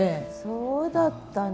そうだったの。